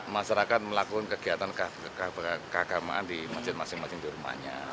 masyarakat melakukan kegiatan keagamaan di masjid masing masing di rumahnya